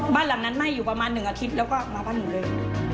บ้านหลังนั้นไหม้อยู่ประมาณ๑อาทิตย์แล้วก็มาบ้านหนูเลย